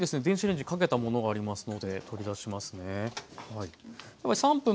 電子レンジかけたものがありますので取り出しますねはい。